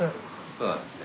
そうなんですね。